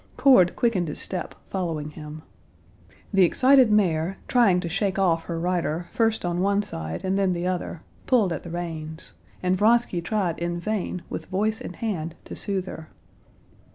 Cord quickened his step, following him. The excited mare, trying to shake off her rider first on one side and then the other, pulled at the reins, and Vronsky tried in vain with voice and hand to soothe her.